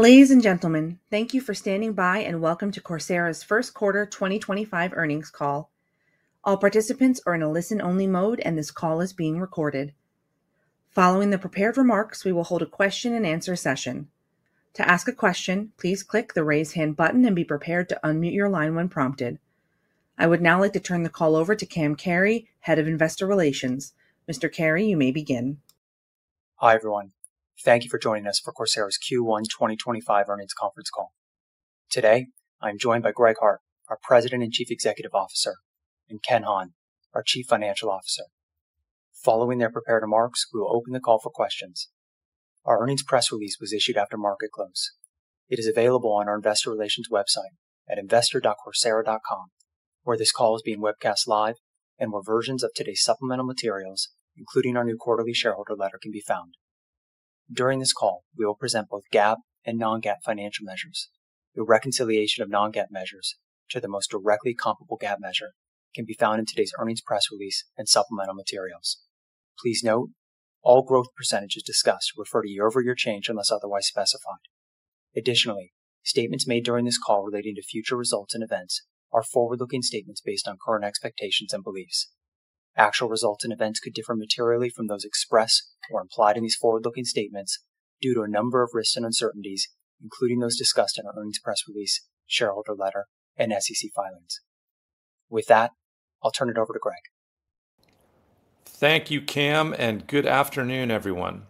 Ladies and gentlemen, thank you for standing by and welcome to Coursera's first quarter 2025 earnings call. All participants are in a listen-only mode, and this call is being recorded. Following the prepared remarks, we will hold a question-and-answer session. To ask a question, please click the raise hand button and be prepared to unmute your line when prompted. I would now like to turn the call over to Cam Carey, Head of Investor Relations. Mr. Carey, you may begin. Hi everyone, thank you for joining us for Coursera's Q1 2025 earnings conference call. Today, I'm joined by Greg Hart, our President and Chief Executive Officer, and Ken Hahn, our Chief Financial Officer. Following their prepared remarks, we will open the call for questions. Our earnings press release was issued after market close. It is available on our Investor Relations website at investor.coursera.com, where this call is being webcast live and where versions of today's supplemental materials, including our new quarterly shareholder letter, can be found. During this call, we will present both GAAP and non-GAAP financial measures. The reconciliation of non-GAAP measures to the most directly comparable GAAP measure can be found in today's earnings press release and supplemental materials. Please note, all growth percentages discussed refer to year-over-year change unless otherwise specified. Additionally, statements made during this call relating to future results and events are forward-looking statements based on current expectations and beliefs. Actual results and events could differ materially from those expressed or implied in these forward-looking statements due to a number of risks and uncertainties, including those discussed in our earnings press release, shareholder letter, and SEC filings. With that, I'll turn it over to Greg. Thank you, Cam, and good afternoon, everyone.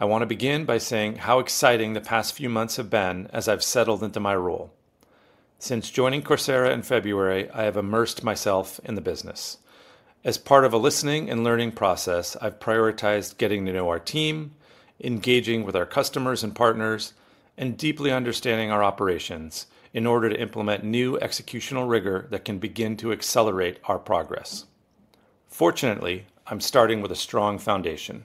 I want to begin by saying how exciting the past few months have been as I've settled into my role. Since joining Coursera in February, I have immersed myself in the business. As part of a listening and learning process, I've prioritized getting to know our team, engaging with our customers and partners, and deeply understanding our operations in order to implement new executional rigor that can begin to accelerate our progress. Fortunately, I'm starting with a strong foundation.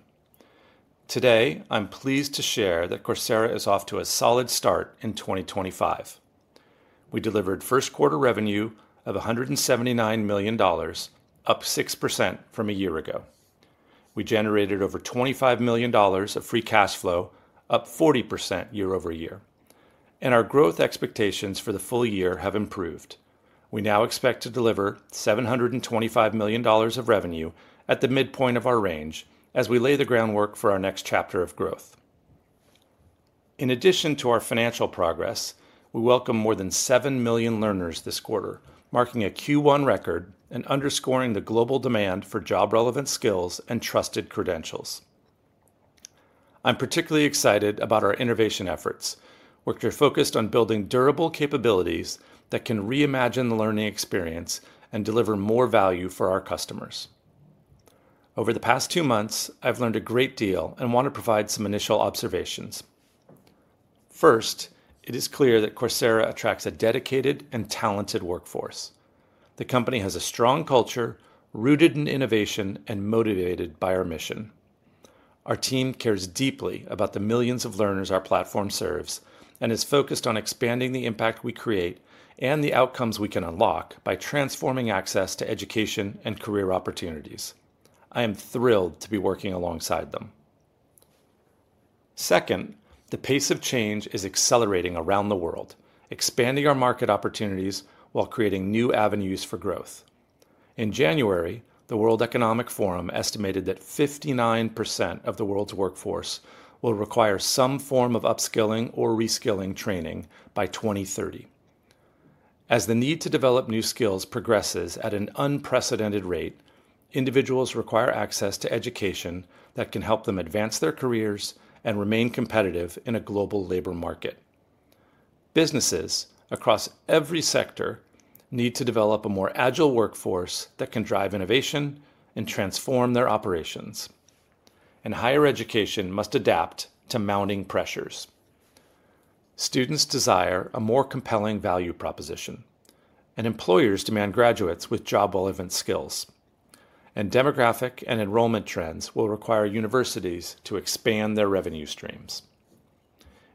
Today, I'm pleased to share that Coursera is off to a solid start in 2025. We delivered first quarter revenue of $179 million, up 6% from a year ago. We generated over $25 million of free cash flow, up 40% year-over-year. Our growth expectations for the full year have improved. We now expect to deliver $725 million of revenue at the midpoint of our range as we lay the groundwork for our next chapter of growth. In addition to our financial progress, we welcome more than 7 million learners this quarter, marking a Q1 record and underscoring the global demand for job-relevant skills and trusted credentials. I'm particularly excited about our innovation efforts, which are focused on building durable capabilities that can reimagine the learning experience and deliver more value for our customers. Over the past two months, I've learned a great deal and want to provide some initial observations. First, it is clear that Coursera attracts a dedicated and talented workforce. The company has a strong culture rooted in innovation and motivated by our mission. Our team cares deeply about the millions of learners our platform serves and is focused on expanding the impact we create and the outcomes we can unlock by transforming access to education and career opportunities. I am thrilled to be working alongside them. Second, the pace of change is accelerating around the world, expanding our market opportunities while creating new avenues for growth. In January, the World Economic Forum estimated that 59% of the world's workforce will require some form of upskilling or reskilling training by 2030. As the need to develop new skills progresses at an unprecedented rate, individuals require access to education that can help them advance their careers and remain competitive in a global labor market. Businesses across every sector need to develop a more agile workforce that can drive innovation and transform their operations. Higher education must adapt to mounting pressures. Students desire a more compelling value proposition, and employers demand graduates with job-relevant skills. Demographic and enrollment trends will require universities to expand their revenue streams.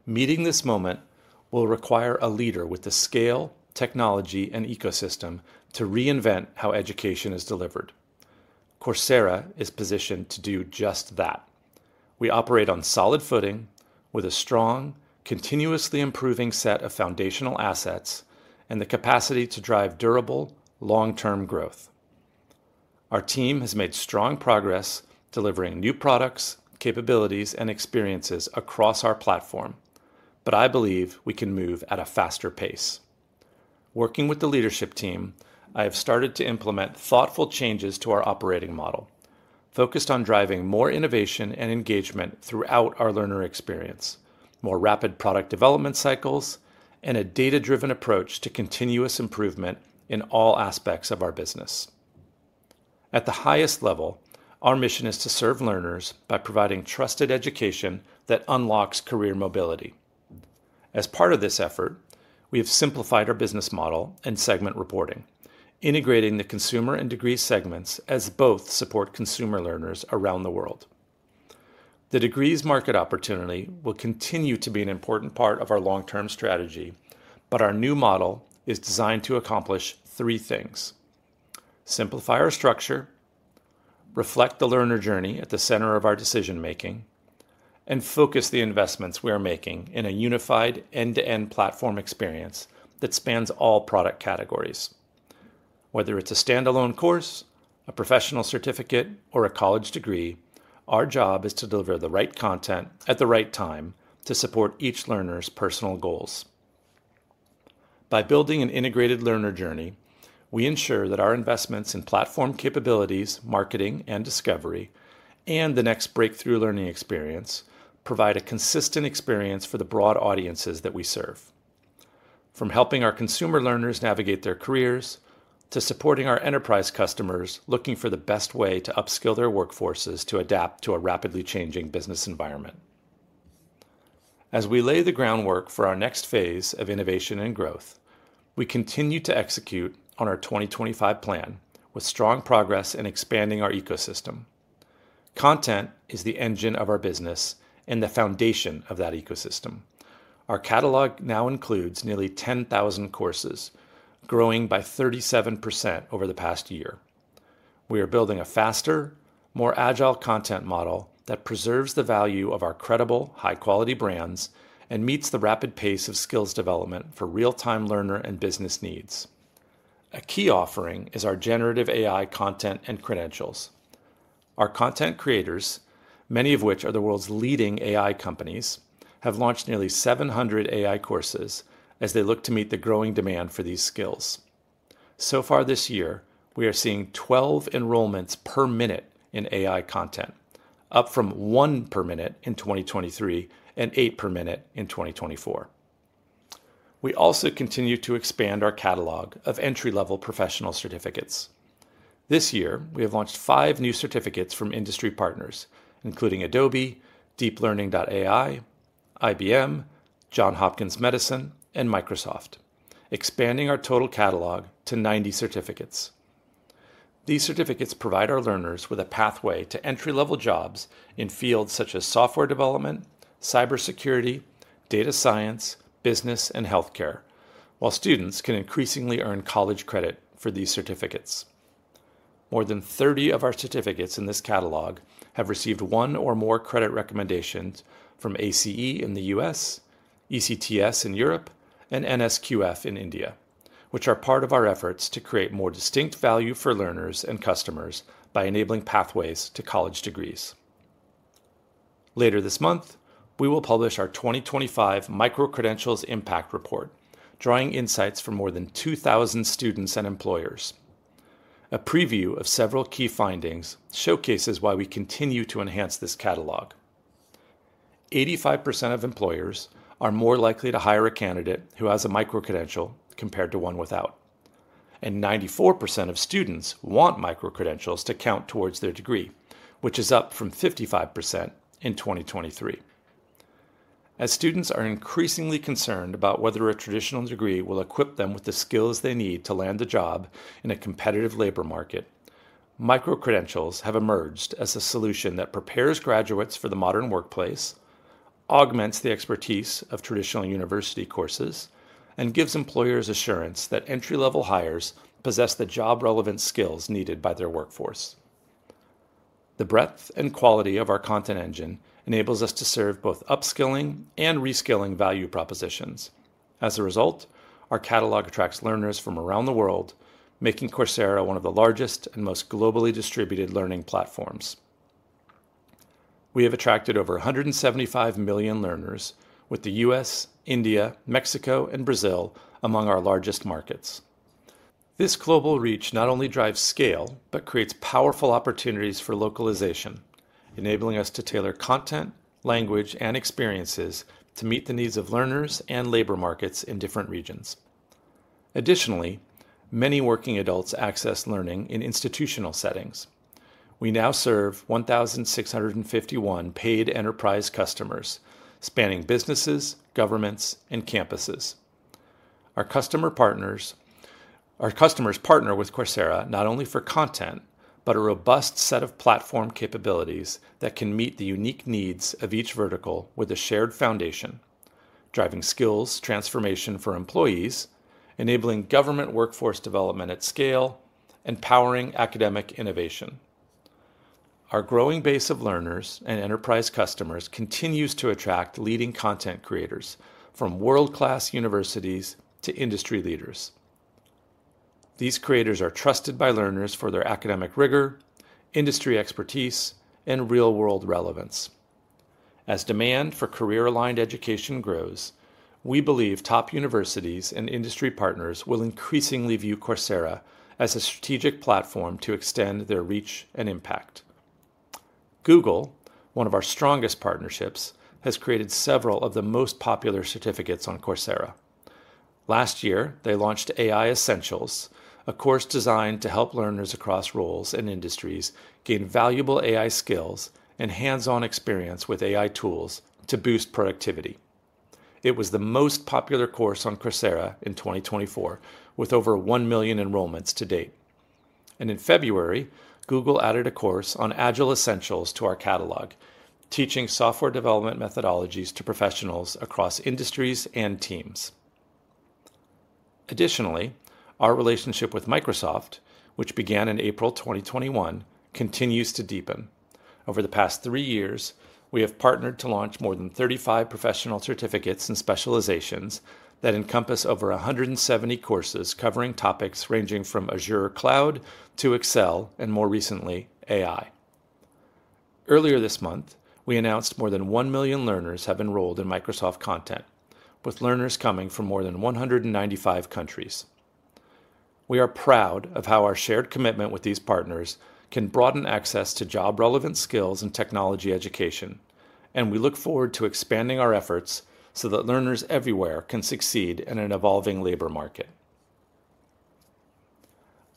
Meeting this moment will require a leader with the scale, technology, and ecosystem to reinvent how education is delivered. Coursera is positioned to do just that. We operate on solid footing with a strong, continuously improving set of foundational assets and the capacity to drive durable, long-term growth. Our team has made strong progress delivering new products, capabilities, and experiences across our platform, but I believe we can move at a faster pace. Working with the leadership team, I have started to implement thoughtful changes to our operating model, focused on driving more innovation and engagement throughout our learner experience, more rapid product development cycles, and a data-driven approach to continuous improvement in all aspects of our business. At the highest level, our mission is to serve learners by providing trusted education that unlocks career mobility. As part of this effort, we have simplified our business model and segment reporting, integrating the consumer and degrees segments as both support consumer learners around the world. The Degrees market opportunity will continue to be an important part of our long-term strategy, but our new model is designed to accomplish three things: simplify our structure, reflect the learner journey at the center of our decision-making, and focus the investments we are making in a unified end-to-end platform experience that spans all product categories. Whether it's a standalone course, a professional certificate, or a college degree, our job is to deliver the right content at the right time to support each learner's personal goals. By building an integrated learner journey, we ensure that our investments in platform capabilities, marketing, and discovery, and the next breakthrough learning experience provide a consistent experience for the broad audiences that we serve. From helping our consumer learners navigate their careers to supporting our Enterprise customers looking for the best way to upskill their workforces to adapt to a rapidly changing business environment. As we lay the groundwork for our next phase of innovation and growth, we continue to execute on our 2025 plan with strong progress in expanding our ecosystem. Content is the engine of our business and the foundation of that ecosystem. Our catalog now includes nearly 10,000 courses, growing by 37% over the past year. We are building a faster, more agile content model that preserves the value of our credible, high-quality brands and meets the rapid pace of skills development for real-time learner and business needs. A key offering is our generative AI content and credentials. Our content creators, many of which are the world's leading AI companies, have launched nearly 700 AI courses as they look to meet the growing demand for these skills. So far this year, we are seeing 12 enrollments per minute in AI content, up from one per minute in 2023 and eight per minute in 2024. We also continue to expand our catalog of entry-level professional certificates. This year, we have launched five new certificates from industry partners, including Adobe, DeepLearning.AI, IBM, Johns Hopkins Medicine, and Microsoft, expanding our total catalog to 90 certificates. These certificates provide our learners with a pathway to entry-level jobs in fields such as software development, cybersecurity, data science, business, and healthcare, while students can increasingly earn college credit for these certificates. More than 30 of our certificates in this catalog have received one or more credit recommendations from ACE in the U.S., ECTS in Europe, and NSQF in India, which are part of our efforts to create more distinct value for learners and customers by enabling pathways to college degree. Later this month, we will publish our 2025 Micro-Credentials Impact Report, drawing insights from more than 2,000 students and employers. A preview of several key findings showcases why we continue to enhance this catalog. 85% of employers are more likely to hire a candidate who has a micro-credential compared to one without. Ninety-four percent of students want micro-credentials to count towards their degrees, which is up from 55% in 2023. As students are increasingly concerned about whether a traditional degree will equip them with the skills they need to land a job in a competitive labor market, micro-credentials have emerged as a solution that prepares graduates for the modern workplace, augments the expertise of traditional university courses, and gives employers assurance that entry-level hires possess the job-relevant skills needed by their workforce. The breadth and quality of our content engine enables us to serve both upskilling and reskilling value propositions. As a result, our catalog attracts learners from around the world, making Coursera one of the largest and most globally distributed learning platforms. We have attracted over 175 million learners with the U.S., India, Mexico, and Brazil among our largest markets. This global reach not only drives scale, but creates powerful opportunities for localization, enabling us to tailor content, language, and experiences to meet the needs of learners and labor markets in different regions. Additionally, many working adults access learning in institutional settings. We now serve 1,651 paid Enterprise customers spanning businesses, governments, and campuses. Our customers partner with Coursera not only for content, but a robust set of platform capabilities that can meet the unique needs of each vertical with a shared foundation, driving skills transformation for employees, enabling Government workforce development at scale, and powering academic innovation. Our growing base of learners and Enterprise customers continues to attract leading content creators from world-class universities to industry leaders. These creators are trusted by learners for their academic rigor, industry expertise, and real-world relevance. As demand for career-aligned education grows, we believe top universities and industry partners will increasingly view Coursera as a strategic platform to extend their reach and impact. Google, one of our strongest partnerships, has created several of the most popular certificates on Coursera. Last year, they launched AI Essentials, a course designed to help learners across roles and industries gain valuable AI skills and hands-on experience with AI tools to boost productivity. It was the most popular course on Coursera in 2024, with over 1 million enrollments to date. In February, Google added a course on Agile Essentials to our catalog, teaching software development methodologies to professionals across industries and teams. Additionally, our relationship with Microsoft, which began in April 2021, continues to deepen. Over the past three years, we have partnered to launch more than 35 professional certificates and specializations that encompass over 170 courses covering topics ranging from Azure Cloud to Excel and, more recently, AI. Earlier this month, we announced more than 1 million learners have enrolled in Microsoft content, with learners coming from more than 195 countries. We are proud of how our shared commitment with these partners can broaden access to job-relevant skills and technology education, and we look forward to expanding our efforts so that learners everywhere can succeed in an evolving labor market.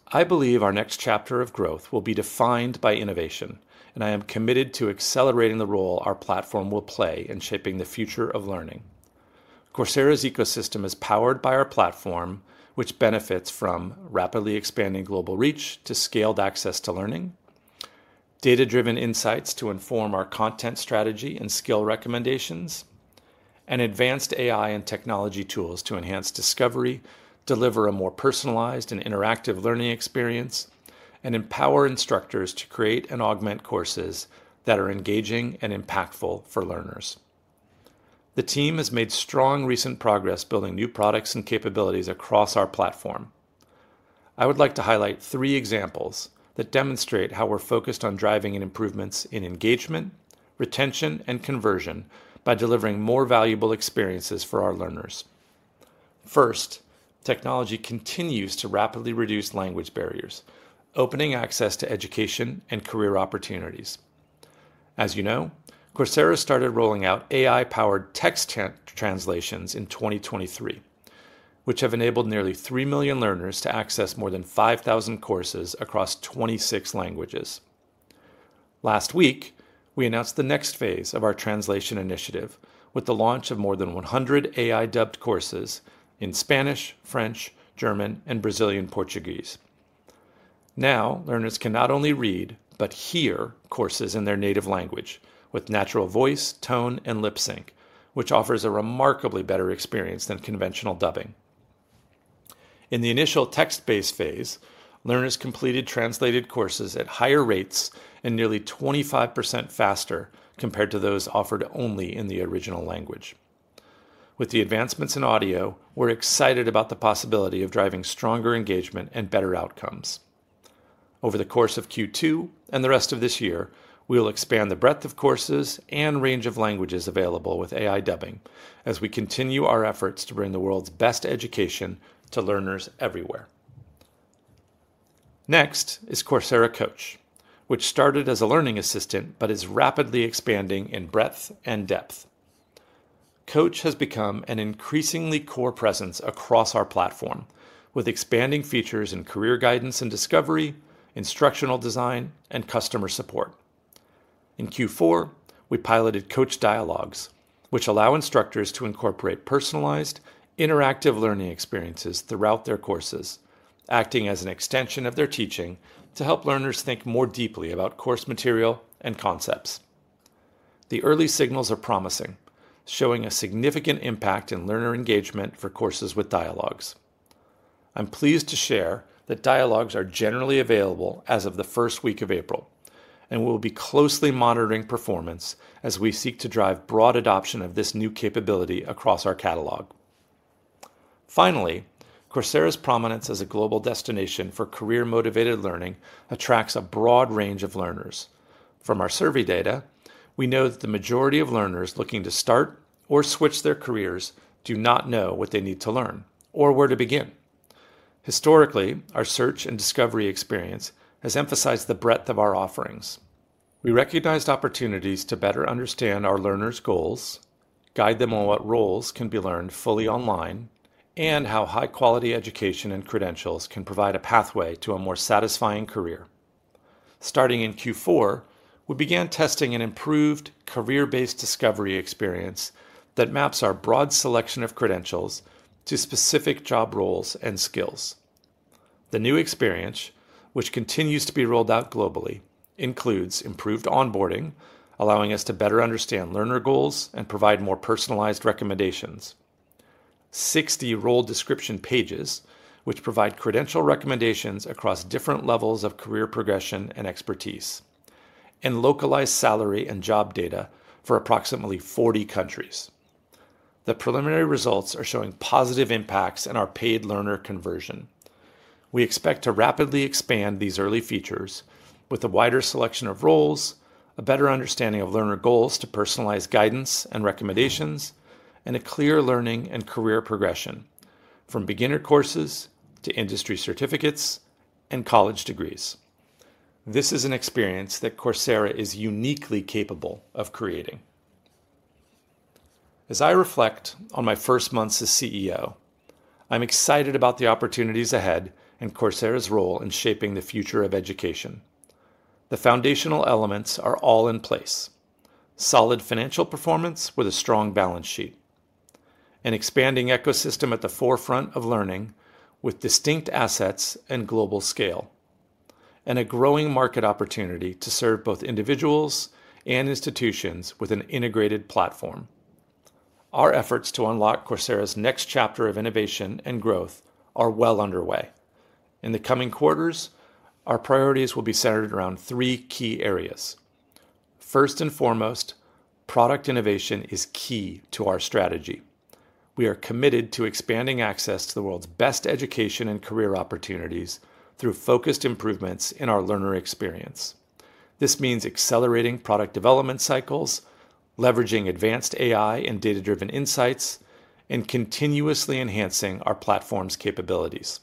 I believe our next chapter of growth will be defined by innovation, and I am committed to accelerating the role our platform will play in shaping the future of learning. Coursera's ecosystem is powered by our platform, which benefits from rapidly expanding global reach to scaled access to learning, data-driven insights to inform our content strategy and skill recommendations, and advanced AI and technology tools to enhance discovery, deliver a more personalized and interactive learning experience, and empower instructors to create and augment courses that are engaging and impactful for learners. The team has made strong recent progress building new products and capabilities across our platform. I would like to highlight three examples that demonstrate how we're focused on driving improvements in engagement, retention, and conversion by delivering more valuable experiences for our learners. First, technology continues to rapidly reduce language barriers, opening access to education and career opportunities. As you know, Coursera started rolling out AI-powered text translations in 2023, which have enabled nearly 3 million learners to access more than 5,000 courses across 26 languages. Last week, we announced the next phase of our translation initiative with the launch of more than 100 AI-dubbed courses in Spanish, French, German, and Brazilian Portuguese. Now, learners can not only read, but hear courses in their native language with natural voice, tone, and lip sync, which offers a remarkably better experience than conventional dubbing. In the initial text-based phase, learners completed translated courses at higher rates and nearly 25% faster compared to those offered only in the original language. With the advancements in audio, we're excited about the possibility of driving stronger engagement and better outcomes. Over the course of Q2 and the rest of this year, we will expand the breadth of courses and range of languages available with AI dubbing as we continue our efforts to bring the world's best education to learners everywhere. Next is Coursera Coach, which started as a learning assistant but is rapidly expanding in breadth and depth. Coach has become an increasingly core presence across our platform, with expanding features in career guidance and discovery, instructional design, and customer support. In Q4, we piloted Coach Dialogues, which allow instructors to incorporate personalized, interactive learning experiences throughout their courses, acting as an extension of their teaching to help learners think more deeply about course material and concepts. The early signals are promising, showing a significant impact in learner engagement for courses with dialogues. I'm pleased to share that dialogues are generally available as of the first week of April, and we will be closely monitoring performance as we seek to drive broad adoption of this new capability across our catalog. Finally, Coursera's prominence as a global destination for career-motivated learning attracts a broad range of learners. From our survey data, we know that the majority of learners looking to start or switch their careers do not know what they need to learn or where to begin. Historically, our search and discovery experience has emphasized the breadth of our offerings. We recognized opportunities to better understand our learners' goals, guide them on what roles can be learned fully online, and how high-quality education and credentials can provide a pathway to a more satisfying career. Starting in Q4, we began testing an improved career-based discovery experience that maps our broad selection of credentials to specific job roles and skills. The new experience, which continues to be rolled out globally, includes improved onboarding, allowing us to better understand learner goals and provide more personalized recommendations, 60 role description pages, which provide credential recommendations across different levels of career progression and expertise, and localized salary and job data for approximately 40 countries. The preliminary results are showing positive impacts in our paid learner conversion. We expect to rapidly expand these early features with a wider selection of roles, a better understanding of learner goals to personalized guidance and recommendations, and a clear learning and career progression from beginner courses to industry certificates and college degree. This is an experience that Coursera is uniquely capable of creating. As I reflect on my first months as CEO, I'm excited about the opportunities ahead and Coursera's role in shaping the future of education. The foundational elements are all in place: solid financial performance with a strong balance sheet, an expanding ecosystem at the forefront of learning with distinct assets and global scale, and a growing market opportunity to serve both individuals and institutions with an integrated platform. Our efforts to unlock Coursera's next chapter of innovation and growth are well underway. In the coming quarters, our priorities will be centered around three key areas. First and foremost, product innovation is key to our strategy. We are committed to expanding access to the world's best education and career opportunities through focused improvements in our learner experience. This means accelerating product development cycles, leveraging advanced AI and data-driven insights, and continuously enhancing our platform's capabilities.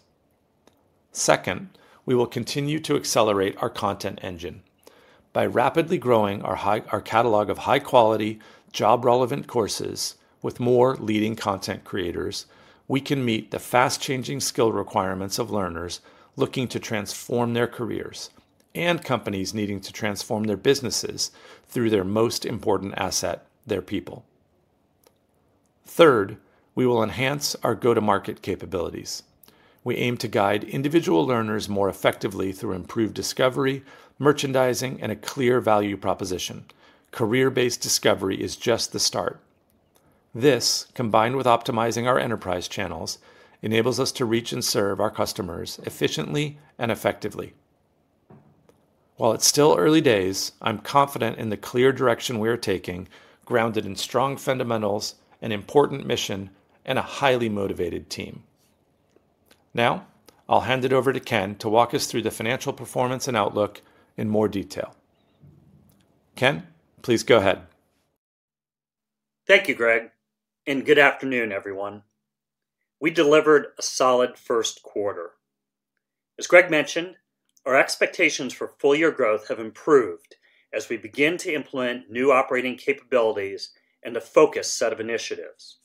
Second, we will continue to accelerate our content engine. By rapidly growing our catalog of high-quality, job-relevant courses with more leading content creators, we can meet the fast-changing skill requirements of learners looking to transform their careers and companies needing to transform their businesses through their most important asset, their people. Third, we will enhance our go-to-market capabilities. We aim to guide individual learners more effectively through improved discovery, merchandising, and a clear value proposition. Career-based discovery is just the start. This, combined with optimizing our Enterprise channels, enables us to reach and serve our customers efficiently and effectively. While it's still early days, I'm confident in the clear direction we are taking, grounded in strong fundamentals, an important mission, and a highly motivated team. Now, I'll hand it over to Ken to walk us through the financial performance and outlook in more detail. Ken, please go ahead. Thank you, Greg, and good afternoon, everyone. We delivered a solid first quarter. As Greg mentioned, our expectations for full-year growth have improved as we begin to implement new operating capabilities and a focused set of initiatives.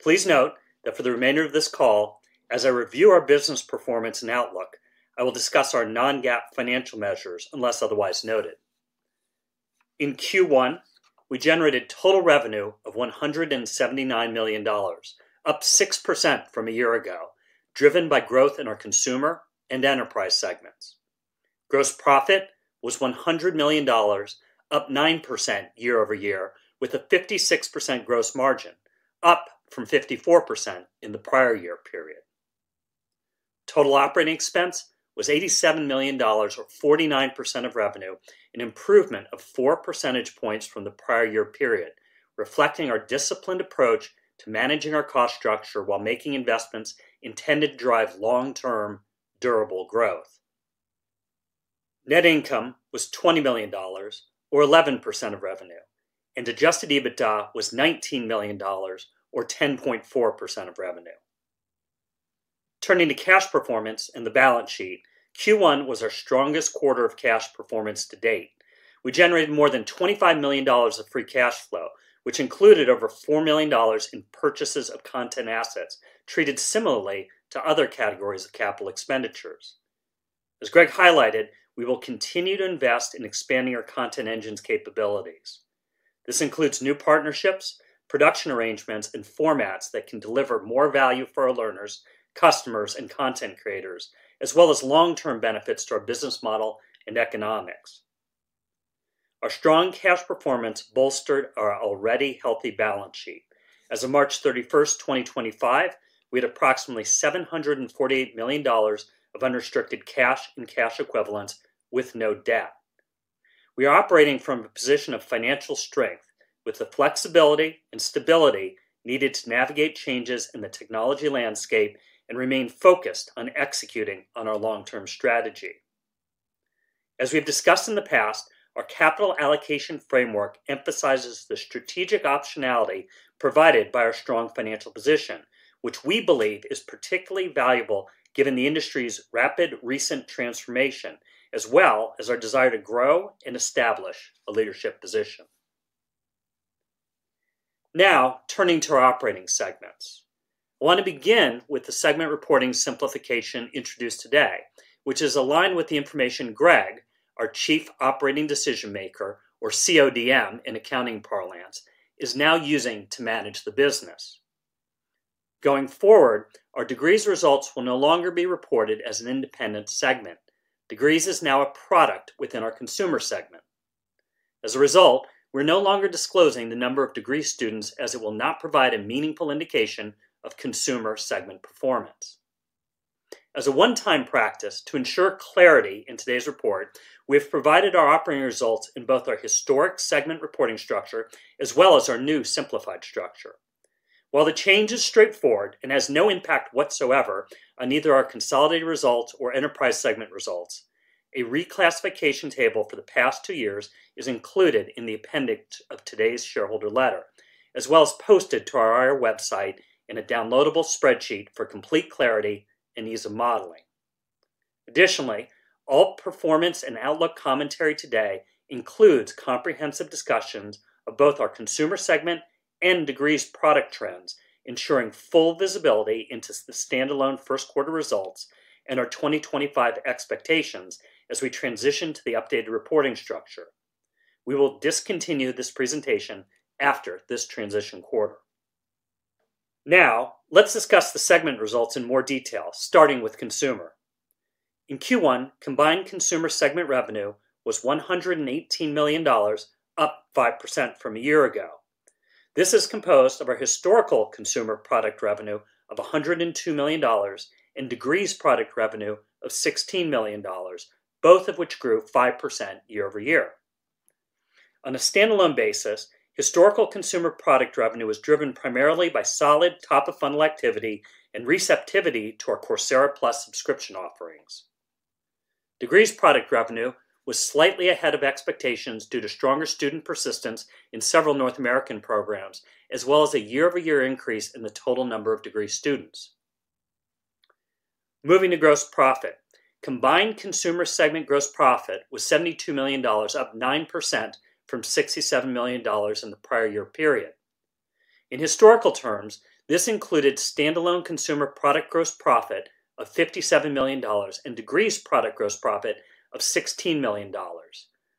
Please note that for the remainder of this call, as I review our business performance and outlook, I will discuss our non-GAAP financial measures unless otherwise noted. In Q1, we generated total revenue of $179 million, up 6% from a year ago, driven by growth in our consumer and Enterprise segments. Gross profit was $100 million, up 9% year-over-year, with a 56% gross margin, up from 54% in the prior year period. Total operating expense was $87 million, or 49% of revenue, an improvement of four percentage points from the prior year period, reflecting our disciplined approach to managing our cost structure while making investments intended to drive long-term durable growth. Net income was $20 million, or 11% of revenue, and adjusted EBITDA was $19 million, or 10.4% of revenue. Turning to cash performance and the balance sheet, Q1 was our strongest quarter of cash performance to date. We generated more than $25 million of free cash flow, which included over $4 million in purchases of content assets, treated similarly to other categories of capital expenditures. As Greg highlighted, we will continue to invest in expanding our content engine's capabilities. This includes new partnerships, production arrangements, and formats that can deliver more value for our learners, customers, and content creators, as well as long-term benefits to our business model and economics. Our strong cash performance bolstered our already healthy balance sheet. As of March 31, 2025, we had approximately $748 million of unrestricted cash and cash equivalents with no debt. We are operating from a position of financial strength, with the flexibility and stability needed to navigate changes in the technology landscape and remain focused on executing on our long-term strategy. As we've discussed in the past, our capital allocation framework emphasizes the strategic optionality provided by our strong financial position, which we believe is particularly valuable given the industry's rapid recent transformation, as well as our desire to grow and establish a leadership position. Now, turning to our operating segments, I want to begin with the segment reporting simplification introduced today, which is aligned with the information Greg, our Chief Operating Decision Maker, or CODM, in accounting parlance, is now using to manage the business. Going forward, our Degrees results will no longer be reported as an independent segment. Degrees is now a product within our Consumer segment. As a result, we're no longer disclosing the number of Degrees students, as it will not provide a meaningful indication of Consumer segment performance. As a one-time practice to ensure clarity in today's report, we have provided our operating results in both our historic segment reporting structure as well as our new simplified structure. While the change is straightforward and has no impact whatsoever on either our consolidated results or Enterprise segment results, a reclassification table for the past two years is included in the appendix of today's shareholder letter, as well as posted to our IR website in a downloadable spreadsheet for complete clarity and ease of modeling. Additionally, all performance and outlook commentary today includes comprehensive discussions of both our Consumer segment and Degrees product trends, ensuring full visibility into the standalone first quarter results and our 2025 expectations as we transition to the updated reporting structure. We will discontinue this presentation after this transition quarter. Now, let's discuss the segment results in more detail, starting with consumer. In Q1, combined Consumer segment revenue was $118 million, up 5% from a year ago. This is composed of our historical Consumer product revenue of $102 million and Degrees product revenue of $16 million, both of which grew 5% year-over-year. On a standalone basis, historical Consumer product revenue was driven primarily by solid top-of-funnel activity and receptivity to our Coursera Plus subscription offerings. Degrees product revenue was slightly ahead of expectations due to stronger student persistence in several North American programs, as well as a year-over-year increase in the total number of Degrees students. Moving to gross profit, combined Consumer segment gross profit was $72 million, up 9% from $67 million in the prior year period. In historical terms, this included standalone Consumer product gross profit of $57 million and Degrees product gross profit of $16 million,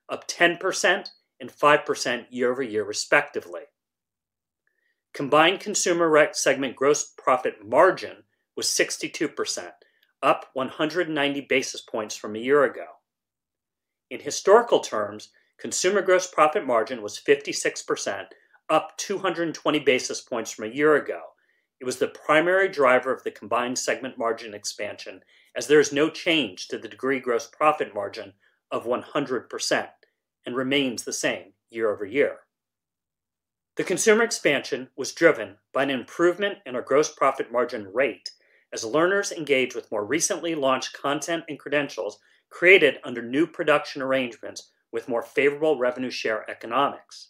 up 10% and 5% year-over-year, respectively. Combined Consumer segment gross profit margin was 62%, up 190 basis points from a year ago. In historical terms, consumer gross profit margin was 56%, up 220 basis points from a year ago. It was the primary driver of the combined segment margin expansion, as there is no change to the Degrees gross profit margin of 100% and remains the same year-over-year. The consumer expansion was driven by an improvement in our gross profit margin rate as learners engage with more recently launched content and credentials created under new production arrangements with more favorable revenue share economics.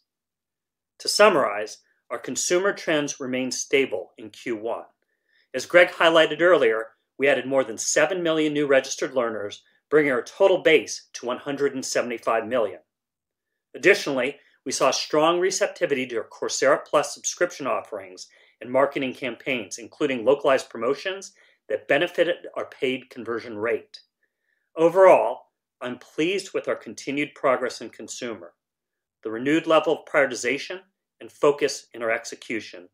To summarize, our consumer trends remained stable in Q1. As Greg highlighted earlier, we added more than 7 million new registered learners, bringing our total base to 175 million. Additionally, we saw strong receptivity to our Coursera Plus subscription offerings and marketing campaigns, including localized promotions that benefited our paid conversion rate. Overall, I'm pleased with our continued progress in consumer, the renewed level of prioritization and focus in our execution,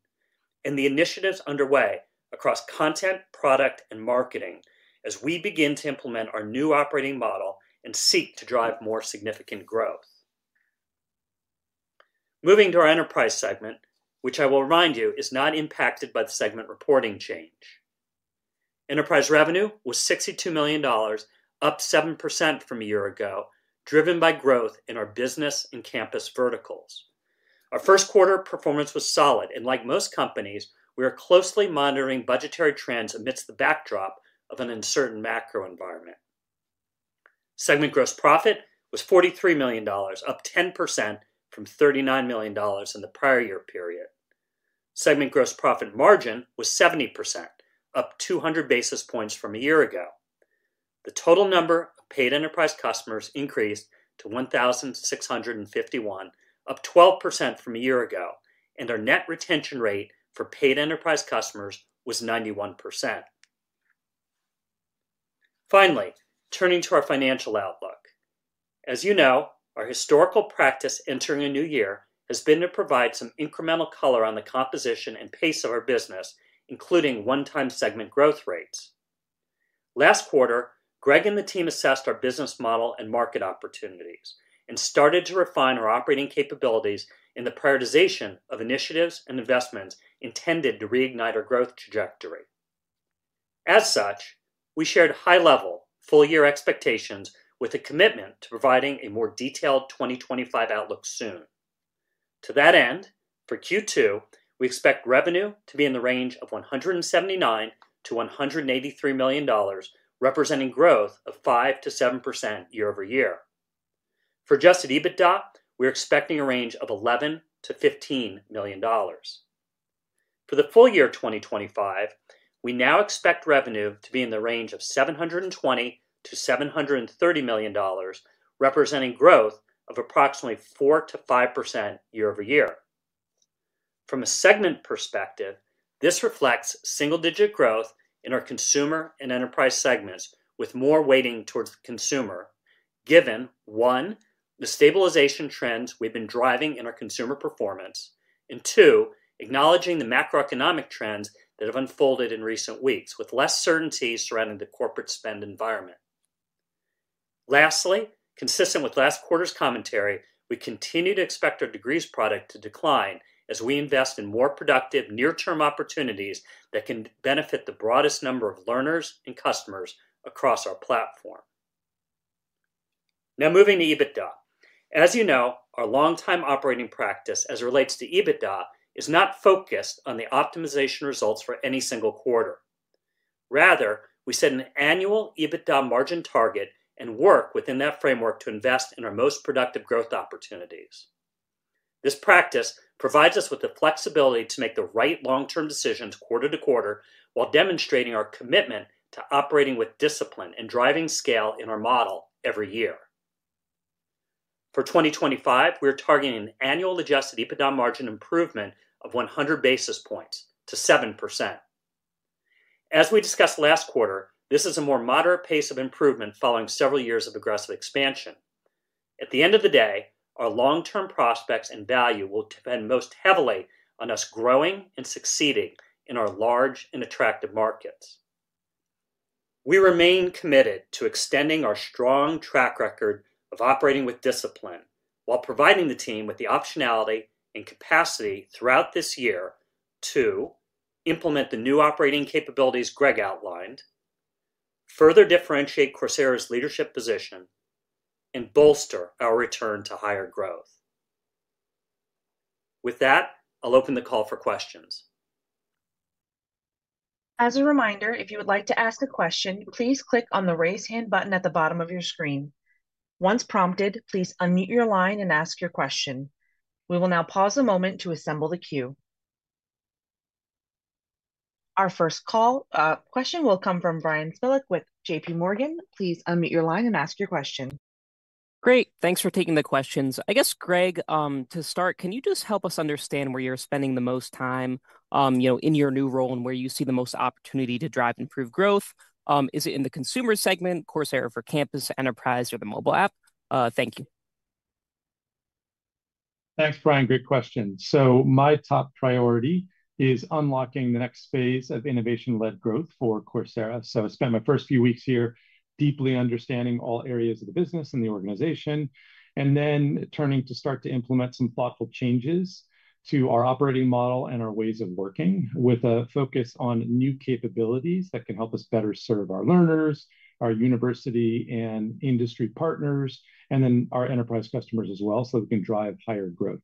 and the initiatives underway across content, product, and marketing as we begin to implement our new operating model and seek to drive more significant growth. Moving to our Enterprise segment, which I will remind you is not impacted by the segment reporting change. Enterprise revenue was $62 million, up 7% from a year ago, driven by growth in our Business and Campus verticals. Our first quarter performance was solid, and like most companies, we are closely monitoring budgetary trends amidst the backdrop of an uncertain macro environment. Segment gross profit was $43 million, up 10% from $39 million in the prior year period. Segment gross profit margin was 70%, up 200 basis points from a year ago. The total number of paid Enterprise customers increased to 1,651, up 12% from a year ago, and our net retention rate for paid Enterprise customers was 91%. Finally, turning to our financial outlook. As you know, our historical practice entering a new year has been to provide some incremental color on the composition and pace of our business, including one-time segment growth rates. Last quarter, Greg and the team assessed our business model and market opportunities and started to refine our operating capabilities in the prioritization of initiatives and investments intended to reignite our growth trajectory. As such, we shared high-level full-year expectations with a commitment to providing a more detailed 2025 outlook soon. To that end, for Q2, we expect revenue to be in the range of $179 million-$183 million, representing growth of 5%-7% year-over-year. For adjusted EBITDA, we're expecting a range of $11 million-$15 million. For the full year 2025, we now expect revenue to be in the range of $720 million-$730 million, representing growth of approximately 4%-5% year-over-year. From a segment perspective, this reflects single-digit growth in our consumer and Enterprise segments, with more weighting towards the consumer, given, one, the stabilization trends we've been driving in our consumer performance, and two, acknowledging the macroeconomic trends that have unfolded in recent weeks, with less certainty surrounding the corporate spend environment. Lastly, consistent with last quarter's commentary, we continue to expect our Degrees product to decline as we invest in more productive near-term opportunities that can benefit the broadest number of learners and customers across our platform. Now, moving to EBITDA. As you know, our long-time operating practice as it relates to EBITDA is not focused on the optimization results for any single quarter. Rather, we set an annual EBITDA margin target and work within that framework to invest in our most productive growth opportunities. This practice provides us with the flexibility to make the right long-term decisions quarter to quarter while demonstrating our commitment to operating with discipline and driving scale in our model every year. For 2025, we are targeting an annual adjusted EBITDA margin improvement of 100 basis points to 7%. As we discussed last quarter, this is a more moderate pace of improvement following several years of aggressive expansion. At the end of the day, our long-term prospects and value will depend most heavily on us growing and succeeding in our large and attractive markets. We remain committed to extending our strong track record of operating with discipline while providing the team with the optionality and capacity throughout this year to implement the new operating capabilities Greg outlined, further differentiate Coursera's leadership position, and bolster our return to higher growth. With that, I'll open the call for questions. As a reminder, if you would like to ask a question, please click on the raise hand button at the bottom of your screen. Once prompted, please unmute your line and ask your question. We will now pause a moment to assemble the queue. Our first call question will come from Bryan Smilek with JPMorgan. Please unmute your line and ask your question. Great. Thanks for taking the questions. I guess, Greg, to start, can you just help us understand where you're spending the most time in your new role and where you see the most opportunity to drive improved growth? Is it in the Consumer segment, Coursera for Campus, Enterprise, or the mobile app? Thank you. Thanks, Brian. Great question. My top priority is unlocking the next phase of innovation-led growth for Coursera. I spent my first few weeks here deeply understanding all areas of the business and the organization, and then turning to start to implement some thoughtful changes to our operating model and our ways of working with a focus on new capabilities that can help us better serve our learners, our university and industry partners, and then our Enterprise customers as well, so we can drive higher growth.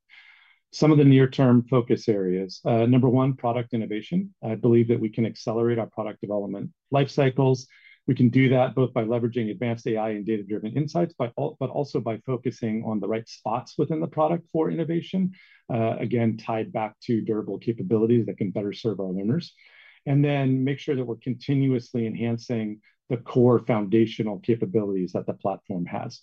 Some of the near-term focus areas: number one, product innovation. I believe that we can accelerate our product development life cycles. We can do that both by leveraging advanced AI and data-driven insights, but also by focusing on the right spots within the product for innovation, again, tied back to durable capabilities that can better serve our learners, and then make sure that we're continuously enhancing the core foundational capabilities that the platform has.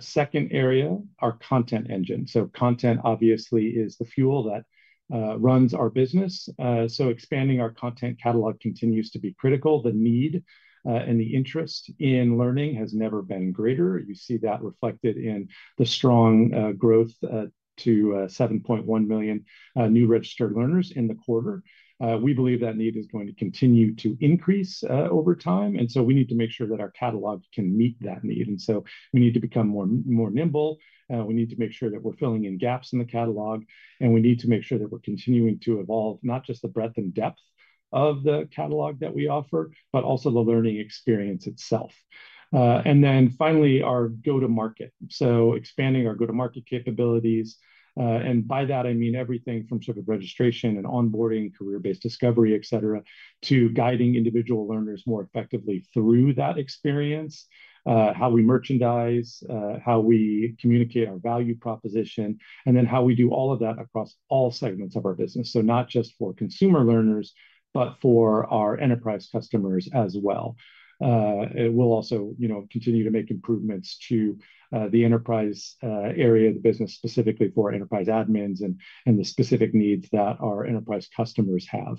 Second area, our content engine. Content, obviously, is the fuel that runs our business. Expanding our content catalog continues to be critical. The need and the interest in learning has never been greater. You see that reflected in the strong growth to 7.1 million new registered learners in the quarter. We believe that need is going to continue to increase over time, and we need to make sure that our catalog can meet that need. We need to become more nimble. We need to make sure that we're filling in gaps in the catalog, and we need to make sure that we're continuing to evolve not just the breadth and depth of the catalog that we offer, but also the learning experience itself. Finally, our go-to-market. Expanding our go-to-market capabilities, and by that, I mean everything from sort of registration and onboarding, career-based discovery, etc., to guiding individual learners more effectively through that experience, how we merchandise, how we communicate our value proposition, and then how we do all of that across all segments of our business. Not just for consumer learners, but for our Enterprise customers as well. We'll also continue to make improvements to the Enterprise area, the business specifically for Enterprise admins and the specific needs that our Enterprise customers have.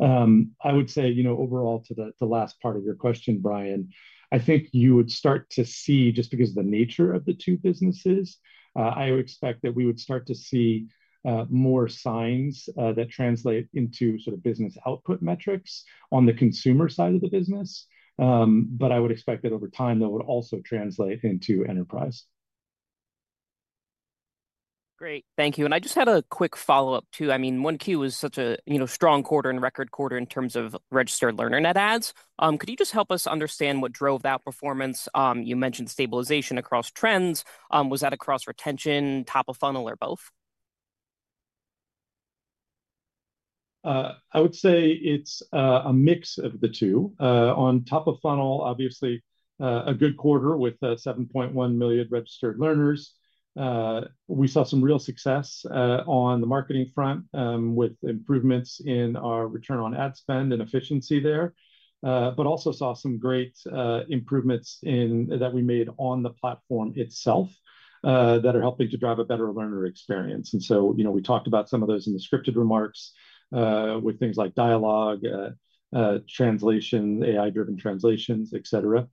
I would say overall, to the last part of your question, Brian, I think you would start to see, just because of the nature of the two businesses, I would expect that we would start to see more signs that translate into sort of business output metrics on the consumer side of the business. I would expect that over time, that would also translate into Enterprise. Great. Thank you. I just had a quick follow-up, too. I mean, 1Q was such a strong quarter and record quarter in terms of registered learner net adds. Could you just help us understand what drove that performance? You mentioned stabilization across trends. Was that across retention, top-of-funnel, or both? I would say it's a mix of the two. On top-of-funnel, obviously, a good quarter with 7.1 million registered learners. We saw some real success on the marketing front with improvements in our return on ad spend and efficiency there, but also saw some great improvements that we made on the platform itself that are helping to drive a better learner experience. We talked about some of those in the scripted remarks with things like dialogue, translation, AI-driven translations, etc.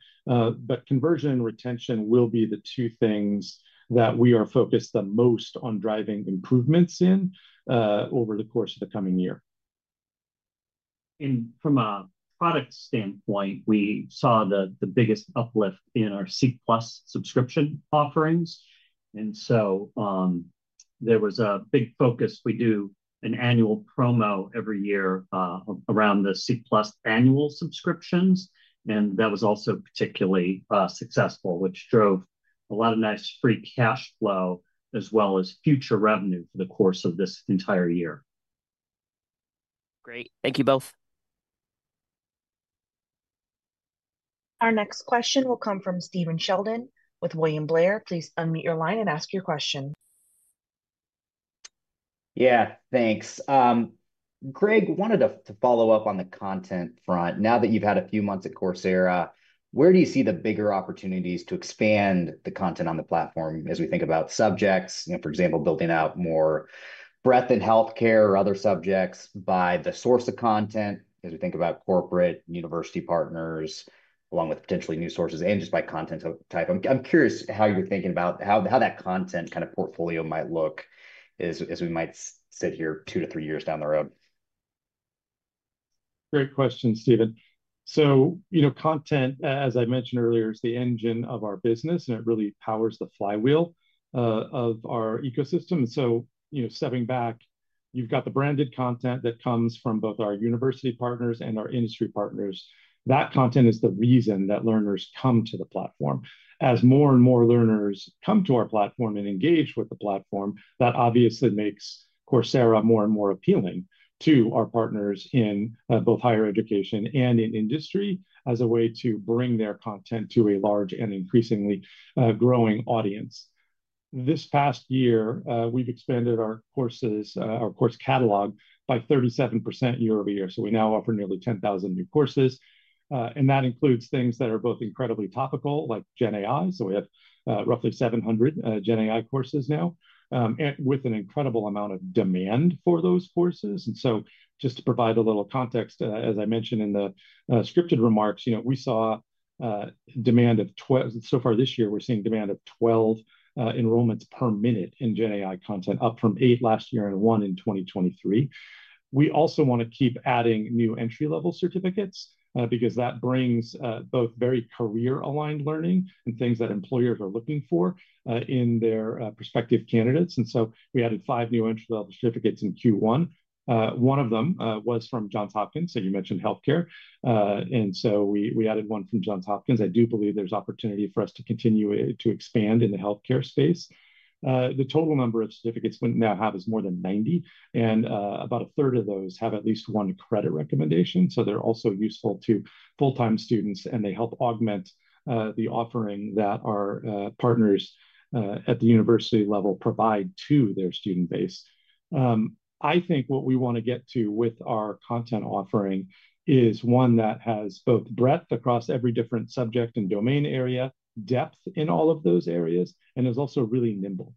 Conversion and retention will be the two things that we are focused the most on driving improvements in over the course of the coming year. From a product standpoint, we saw the biggest uplift in our C+ subscription offerings. There was a big focus. We do an annual promo every year around the C+ annual subscriptions, and that was also particularly successful, which drove a lot of nice free cash flow as well as future revenue for the course of this entire year. Great. Thank you both. Our next question will come from Stephen Sheldon with William Blair. Please unmute your line and ask your question. Yeah, thanks. Greg, I wanted to follow up on the content front. Now that you've had a few months at Coursera, where do you see the bigger opportunities to expand the content on the platform as we think about subjects, for example, building out more breadth in healthcare or other subjects by the source of content as we think about corporate university partners along with potentially new sources and just by content type? I'm curious how you're thinking about how that content kind of portfolio might look as we might sit here two to three years down the road. Great question, Stephen. Content, as I mentioned earlier, is the engine of our business, and it really powers the flywheel of our ecosystem. Stepping back, you've got the branded content that comes from both our university partners and our industry partners. That content is the reason that learners come to the platform. As more and more learners come to our platform and engage with the platform, that obviously makes Coursera more and more appealing to our partners in both higher education and in industry as a way to bring their content to a large and increasingly growing audience. This past year, we've expanded our courses, our course catalog, by 37% year-over-year. We now offer nearly 10,000 new courses, and that includes things that are both incredibly topical, like GenAI. We have roughly 700 GenAI courses now with an incredible amount of demand for those courses. Just to provide a little context, as I mentioned in the scripted remarks, we saw demand of so far this year, we're seeing demand of 12 enrollments per minute in GenAI content, up from eight last year and one in 2023. We also want to keep adding new entry-level certificates because that brings both very career-aligned learning and things that employers are looking for in their prospective candidates. We added five new entry-level certificates in Q1. One of them was from Johns Hopkins. You mentioned healthcare. We added one from Johns Hopkins. I do believe there is opportunity for us to continue to expand in the healthcare space. The total number of certificates we now have is more than 90, and about a third of those have at least one credit recommendation. They are also useful to full-time students, and they help augment the offering that our partners at the university level provide to their student base. I think what we want to get to with our content offering is one that has both breadth across every different subject and domain area, depth in all of those areas, and is also really nimble.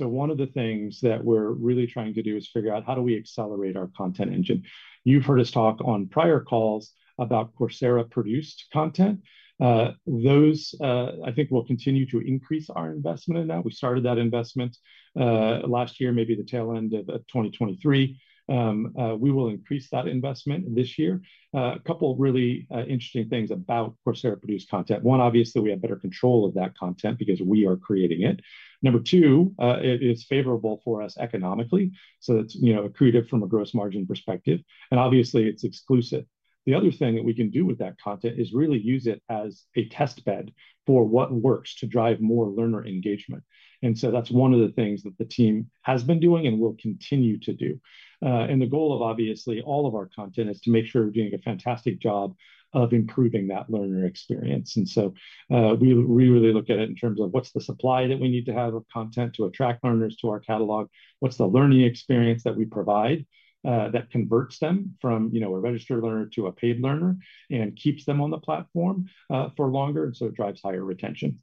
One of the things that we're really trying to do is figure out how do we accelerate our content engine. You've heard us talk on prior calls about Coursera-produced content. Those, I think, will continue to increase our investment in that. We started that investment last year, maybe the tail end of 2023. We will increase that investment this year. A couple of really interesting things about Coursera-produced content. One, obviously, we have better control of that content because we are creating it. Number two, it is favorable for us economically. So it's accretive from a gross margin perspective. Obviously, it's exclusive. The other thing that we can do with that content is really use it as a test bed for what works to drive more learner engagement. That is one of the things that the team has been doing and will continue to do. The goal of, obviously, all of our content is to make sure we're doing a fantastic job of improving that learner experience. We really look at it in terms of what's the supply that we need to have of content to attract learners to our catalog, what's the learning experience that we provide that converts them from a registered learner to a paid learner and keeps them on the platform for longer, and it drives higher retention.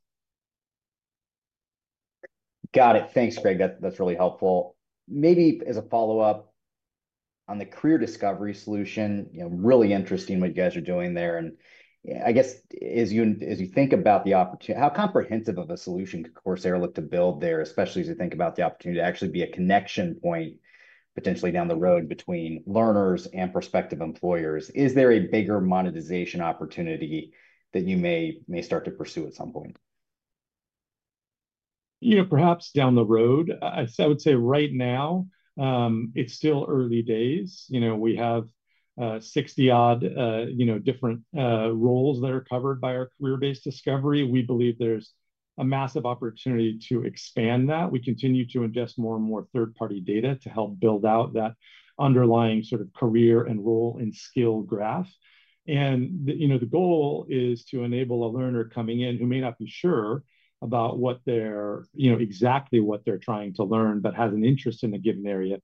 Got it. Thanks, Greg. That's really helpful. Maybe as a follow-up on the career discovery solution, really interesting what you guys are doing there. As you think about the opportunity, how comprehensive of a solution could Coursera look to build there, especially as you think about the opportunity to actually be a connection point potentially down the road between learners and prospective employers? Is there a bigger monetization opportunity that you may start to pursue at some point? Perhaps down the road. I would say right now, it's still early days. We have 60-odd different roles that are covered by our career-based discovery. We believe there's a massive opportunity to expand that. We continue to ingest more and more third-party data to help build out that underlying sort of career and role and skill graph. The goal is to enable a learner coming in who may not be sure about exactly what they're trying to learn but has an interest in a given area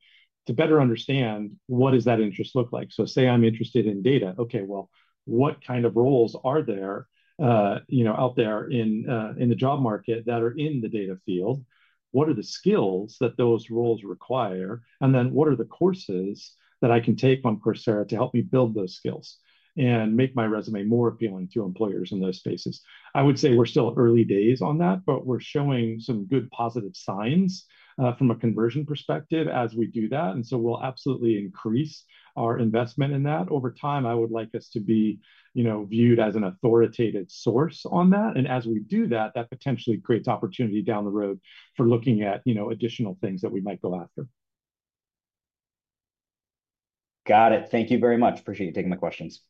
to better understand what that interest looks like. Say I'm interested in data. Okay, what kind of roles are there out there in the job market that are in the data field? What are the skills that those roles require? What are the courses that I can take on Coursera to help me build those skills and make my resume more appealing to employers in those spaces? I would say we're still early days on that, but we're showing some good positive signs from a conversion perspective as we do that. We will absolutely increase our investment in that. Over time, I would like us to be viewed as an authoritative source on that. As we do that, that potentially creates opportunity down the road for looking at additional things that we might go after. Got it. Thank you very much. Appreciate you taking the questions.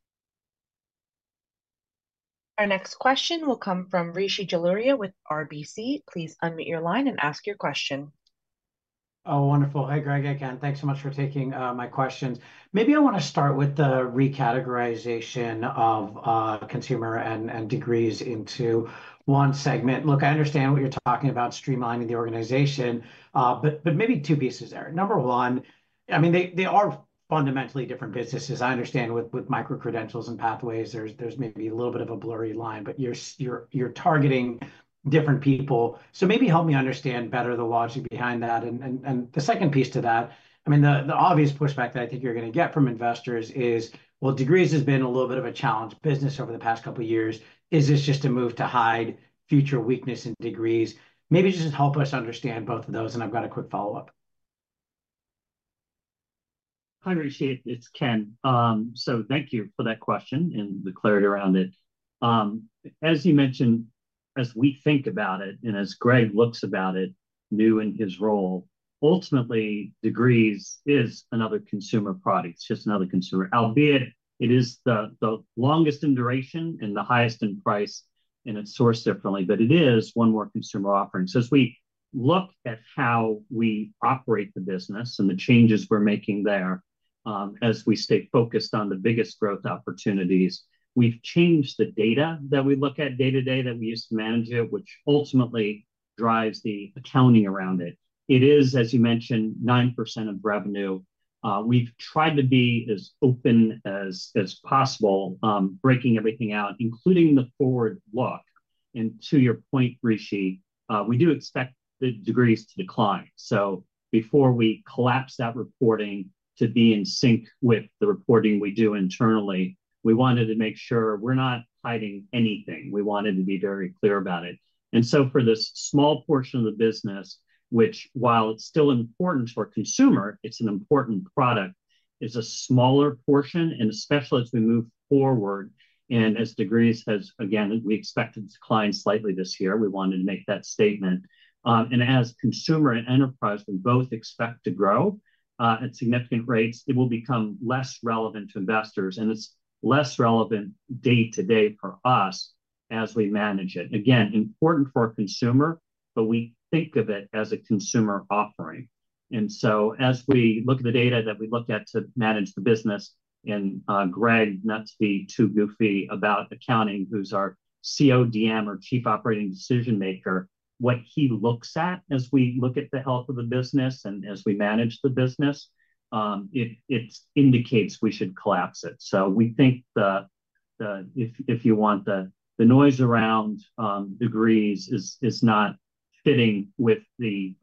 Our next question will come from Rishi Jaluria with RBC. Please unmute your line and ask your question. Oh, wonderful. Hi, Greg. Again, thanks so much for taking my questions. Maybe I want to start with the recategorization of consumer and degrees into one segment. Look, I understand what you're talking about, streamlining the organization, but maybe two pieces there. Number one, I mean, they are fundamentally different businesses. I understand with micro-credentials and pathways, there's maybe a little bit of a blurry line, but you're targeting different people. So maybe help me understand better the logic behind that. The second piece to that, I mean, the obvious pushback that I think you're going to get from investors is, degrees has been a little bit of a challenge. Business over the past couple of years, is this just a move to hide future weakness in degrees? Maybe just help us understand both of those, and I've got a quick follow-up. Hi, Rishi. It's Ken. Thank you for that question and the clarity around it. As you mentioned, as we think about it and as Greg looks about it new in his role, ultimately, degrees is another Consumer product. It's just another consumer, albeit it is the longest in duration and the highest in price and it's sourced differently, but it is one more consumer offering. As we look at how we operate the business and the changes we're making there as we stay focused on the biggest growth opportunities, we've changed the data that we look at day-to-day that we use to manage it, which ultimately drives the accounting around it. It is, as you mentioned, 9% of revenue. We've tried to be as open as possible, breaking everything out, including the forward look. To your point, Rishi, we do expect the degrees to decline. Before we collapse that reporting to be in sync with the reporting we do internally, we wanted to make sure we're not hiding anything. We wanted to be very clear about it. For this small portion of the business, which while it's still important for consumer, it's an important product, is a smaller portion, and especially as we move forward and as degrees has, again, we expect it to decline slightly this year. We wanted to make that statement. As consumer and Enterprise, we both expect to grow at significant rates. It will become less relevant to investors, and it's less relevant day-to-day for us as we manage it. Again, important for a consumer, but we think of it as a consumer offering. As we look at the data that we look at to manage the business, and Greg, not to be too goofy about accounting, who is our CODM or Chief Operating Decision Maker, what he looks at as we look at the health of the business and as we manage the business, it indicates we should collapse it. We think if you want the noise around degrees is not fitting with the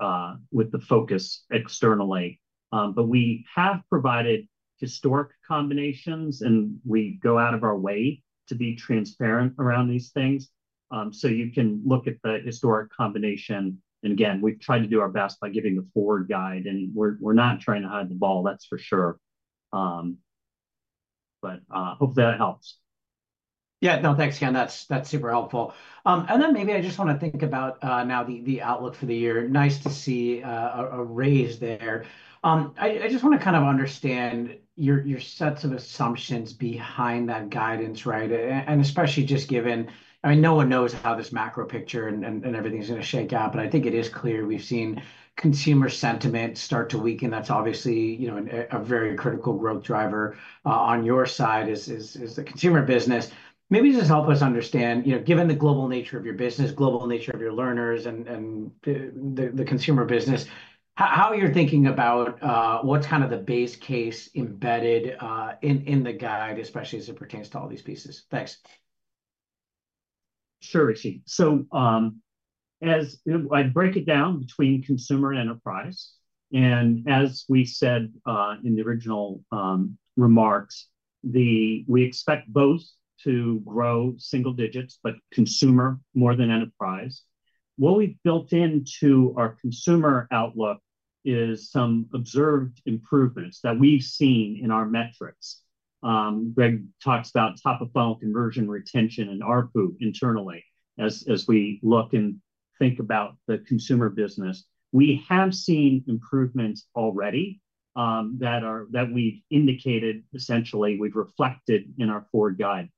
focus externally. We have provided historic combinations, and we go out of our way to be transparent around these things. You can look at the historic combination. Again, we have tried to do our best by giving the forward guide, and we are not trying to hide the ball, that is for sure. Hopefully that helps. Yeah, no, thanks, Ken. That is super helpful. Maybe I just want to think about now the outlook for the year. Nice to see a raise there. I just want to kind of understand your sets of assumptions behind that guidance, right? Especially just given, I mean, no one knows how this macro picture and everything's going to shake out, but I think it is clear we've seen consumer sentiment start to weaken. That's obviously a very critical growth driver on your side as a consumer business. Maybe just help us understand, given the global nature of your business, global nature of your learners, and the consumer business, how you're thinking about what's kind of the base case embedded in the guide, especially as it pertains to all these pieces. Thanks. Sure, Rishi. I'd break it down between consumer and Enterprise. As we said in the original remarks, we expect both to grow single digits, but consumer more than Enterprise. What we have built into our consumer outlook is some observed improvements that we have seen in our metrics. Greg talks about top-of-funnel conversion retention and ARPU internally as we look and think about the consumer business. We have seen improvements already that we have indicated essentially we have reflected in our forward guide.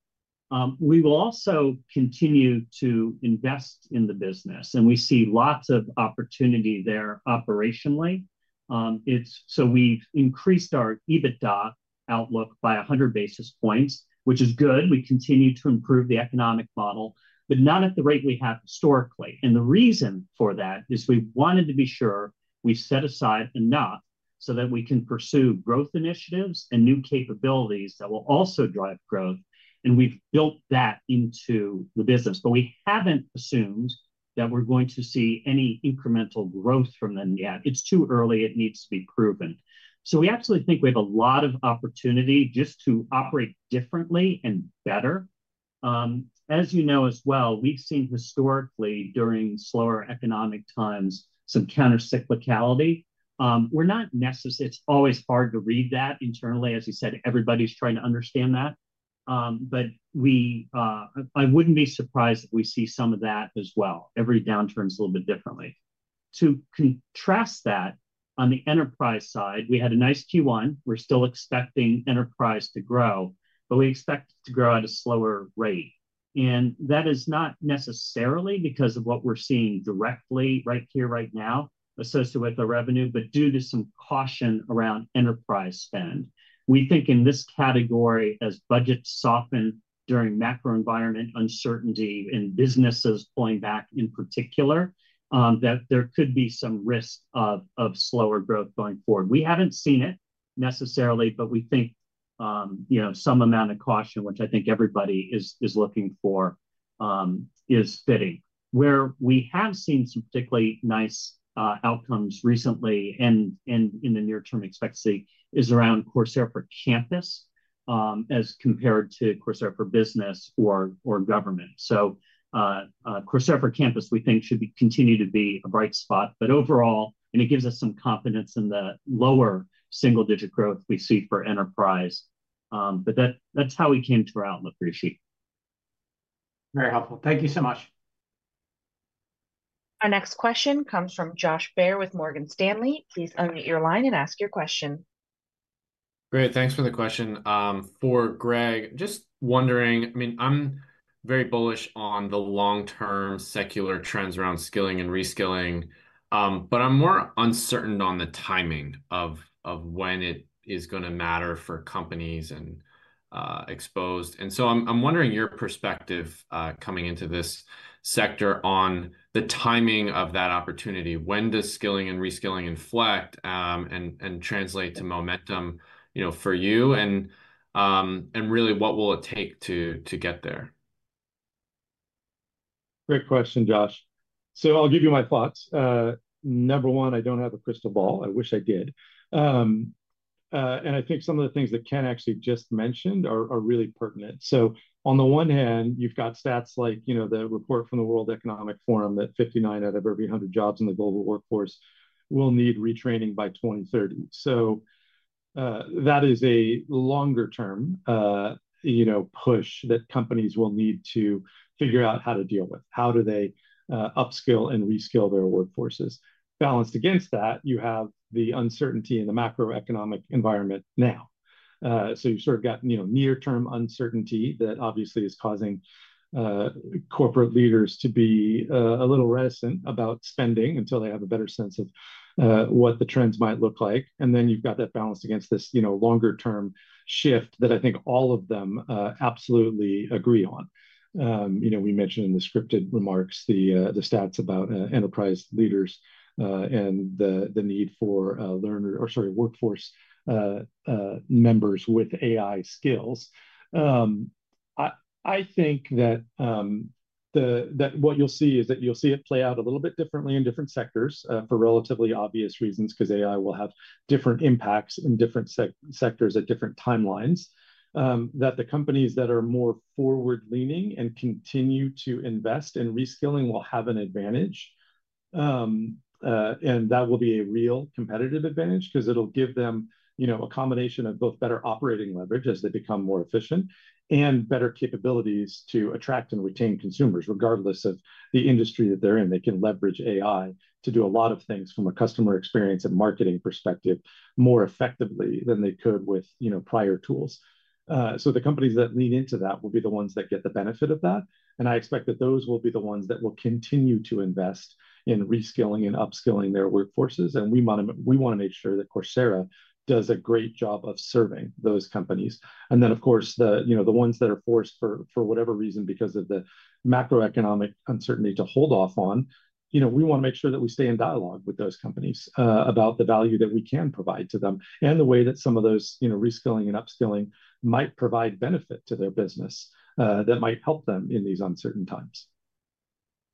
We will also continue to invest in the business, and we see lots of opportunity there operationally. We have increased our EBITDA outlook by 100 basis points, which is good. We continue to improve the economic model, but not at the rate we have historically. The reason for that is we wanted to be sure we set aside enough so that we can pursue growth initiatives and new capabilities that will also drive growth. We have built that into the business. We have not assumed that we are going to see any incremental growth from them yet. It is too early. It needs to be proven. We absolutely think we have a lot of opportunity just to operate differently and better. As you know as well, we have seen historically during slower economic times some countercyclicality. It is always hard to read that internally. As you said, everybody is trying to understand that. I would not be surprised if we see some of that as well. Every downturn is a little bit different. To contrast that, on the Enterprise side, we had a nice Q1. We are still expecting Enterprise to grow, but we expect it to grow at a slower rate. That is not necessarily because of what we are seeing directly right here right now associated with the revenue, but due to some caution around Enterprise spend. We think in this category, as budgets soften during macro environment uncertainty and businesses pulling back in particular, that there could be some risk of slower growth going forward. We have not seen it necessarily, but we think some amount of caution, which I think everybody is looking for, is fitting. Where we have seen some particularly nice outcomes recently and in the near-term expectancy is around Coursera for Campus as compared to Coursera for Business or Government. Coursera for Campus, we think, should continue to be a bright spot. Overall, it gives us some confidence in the lower single-digit growth we see for Enterprise. That is how we came to our outlook, Rishi. Very helpful. Thank you so much. Our next question comes from Josh Baer with Morgan Stanley. Please unmute your line and ask your question. Great. Thanks for the question. For Greg, just wondering, I mean, I'm very bullish on the long-term secular trends around skilling and reskilling, but I'm more uncertain on the timing of when it is going to matter for companies and exposed. I'm wondering your perspective coming into this sector on the timing of that opportunity. When does skilling and reskilling inflect and translate to momentum for you? Really, what will it take to get there? Great question, Josh. I'll give you my thoughts. Number one, I don't have a crystal ball. I wish I did. I think some of the things that Ken actually just mentioned are really pertinent. On the one hand, you've got stats like the report from the World Economic Forum that 59 out of every 100 jobs in the global workforce will need retraining by 2030. That is a longer-term push that companies will need to figure out how to deal with. How do they upskill and reskill their workforces? Balanced against that, you have the uncertainty in the macroeconomic environment now. You have sort of got near-term uncertainty that obviously is causing corporate leaders to be a little reticent about spending until they have a better sense of what the trends might look like. You have that balance against this longer-term shift that I think all of them absolutely agree on. We mentioned in the scripted remarks the stats about Enterprise leaders and the need for workforce members with AI skills. I think that what you'll see is that you'll see it play out a little bit differently in different sectors for relatively obvious reasons because AI will have different impacts in different sectors at different timelines. The companies that are more forward-leaning and continue to invest in reskilling will have an advantage. That will be a real competitive advantage because it'll give them a combination of both better operating leverage as they become more efficient and better capabilities to attract and retain consumers. Regardless of the industry that they're in, they can leverage AI to do a lot of things from a customer experience and marketing perspective more effectively than they could with prior tools. The companies that lean into that will be the ones that get the benefit of that. I expect that those will be the ones that will continue to invest in reskilling and upskilling their workforces. We want to make sure that Coursera does a great job of serving those companies. Of course, the ones that are forced for whatever reason because of the macroeconomic uncertainty to hold off on, we want to make sure that we stay in dialogue with those companies about the value that we can provide to them and the way that some of those reskilling and upskilling might provide benefit to their business that might help them in these uncertain times.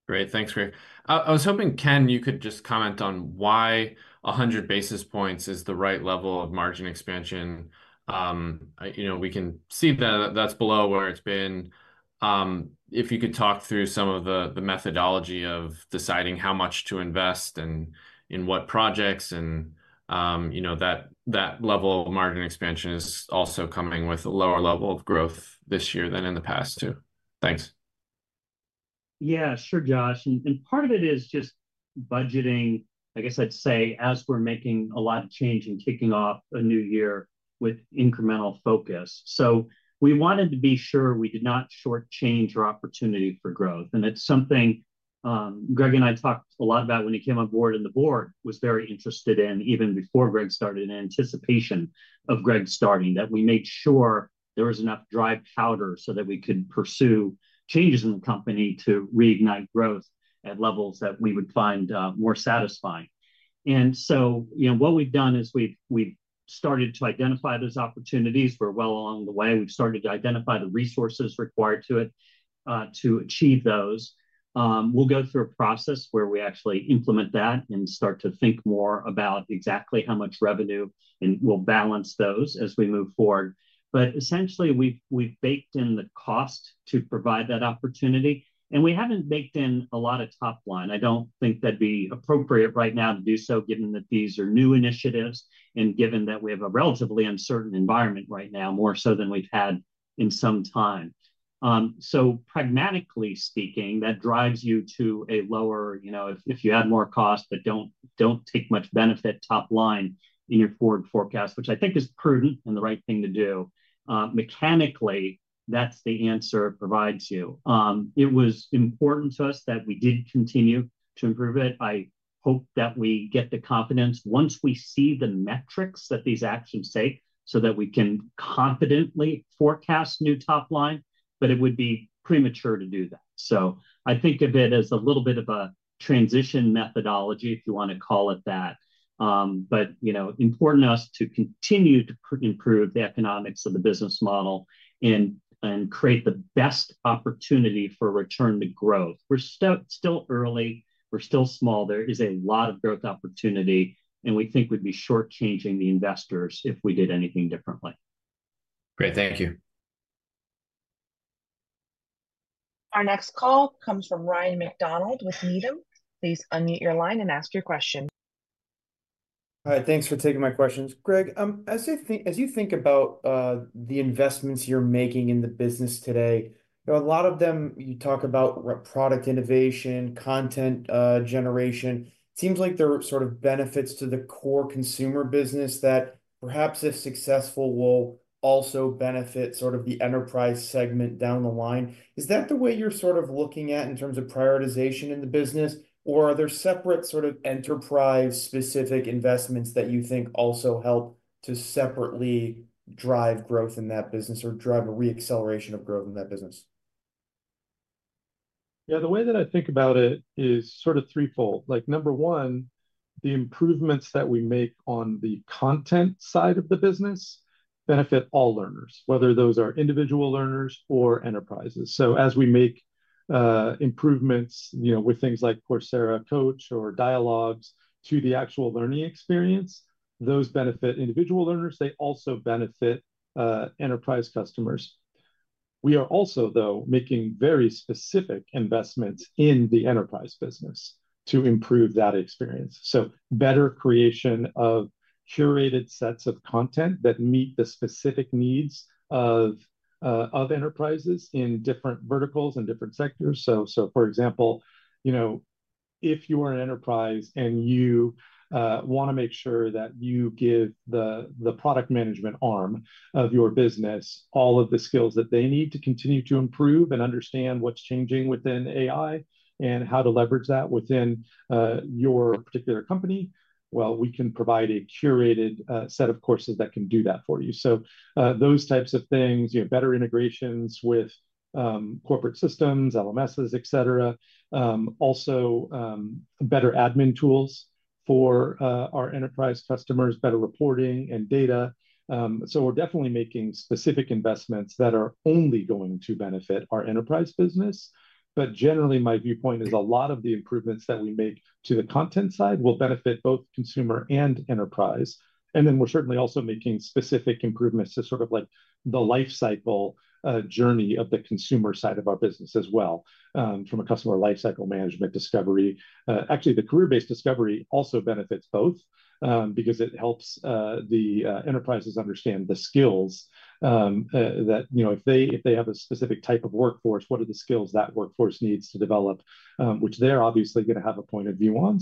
Great. Thanks, Greg. I was hoping, Ken, you could just comment on why 100 basis points is the right level of margin expansion. We can see that that's below where it's been. If you could talk through some of the methodology of deciding how much to invest and in what projects and that level of margin expansion is also coming with a lower level of growth this year than in the past, too. Thanks. Yeah, sure, Josh. Part of it is just budgeting, I guess I'd say, as we're making a lot of change and kicking off a new year with incremental focus. We wanted to be sure we did not shortchange our opportunity for growth. It's something Greg and I talked a lot about when he came on board and the board was very interested in, even before Greg started, in anticipation of Greg starting, that we made sure there was enough dry powder so that we could pursue changes in the company to reignite growth at levels that we would find more satisfying. What we've done is we've started to identify those opportunities. We're well along the way. We've started to identify the resources required to achieve those. We'll go through a process where we actually implement that and start to think more about exactly how much revenue, and we'll balance those as we move forward. Essentially, we've baked in the cost to provide that opportunity. We haven't baked in a lot of top line. I don't think that'd be appropriate right now to do so, given that these are new initiatives and given that we have a relatively uncertain environment right now, more so than we've had in some time. Pragmatically speaking, that drives you to a lower if you add more cost, but don't take much benefit top line in your forward forecast, which I think is prudent and the right thing to do. Mechanically, that's the answer it provides you. It was important to us that we did continue to improve it. I hope that we get the confidence once we see the metrics that these actions take so that we can confidently forecast new top line, but it would be premature to do that. I think of it as a little bit of a transition methodology, if you want to call it that. Important to us to continue to improve the economics of the business model and create the best opportunity for return to growth. We're still early. We're still small. There is a lot of growth opportunity, and we think we'd be shortchanging the investors if we did anything differently. Great. Thank you. Our next call comes from Ryan MacDonald with Needham. Please unmute your line and ask your question. All right. Thanks for taking my questions. Greg, as you think about the investments you're making in the business today, a lot of them you talk about product innovation, content generation. It seems like there are sort of benefits to the core consumer business that perhaps if successful, will also benefit sort of the Enterprise segment down the line. Is that the way you're sort of looking at in terms of prioritization in the business? Or are there separate sort of Enterprise-specific investments that you think also help to separately drive growth in that business or drive a reacceleration of growth in that business? Yeah, the way that I think about it is sort of threefold. Number one, the improvements that we make on the content side of the business benefit all learners, whether those are individual learners or Enterprises. As we make improvements with things like Coursera Coach or Dialogues to the actual learning experience, those benefit individual learners. They also benefit Enterprise customers. We are also, though, making very specific investments in the Enterprise business to improve that experience. Better creation of curated sets of content that meet the specific needs of Enterprises in different verticals and different sectors. For example, if you are an Enterprise and you want to make sure that you give the product management arm of your business all of the skills that they need to continue to improve and understand what's changing within AI and how to leverage that within your particular company, we can provide a curated set of courses that can do that for you. Those types of things, better integrations with corporate systems, LMSs, et cetera. Also, better admin tools for our Enterprise customers, better reporting and data. We are definitely making specific investments that are only going to benefit our Enterprise business. Generally, my viewpoint is a lot of the improvements that we make to the content side will benefit both consumer and Enterprise. We are certainly also making specific improvements to sort of the lifecycle journey of the consumer side of our business as well from a customer lifecycle management discovery. Actually, the career-based discovery also benefits both because it helps the Enterprises understand the skills that if they have a specific type of workforce, what are the skills that workforce needs to develop, which they are obviously going to have a point of view on.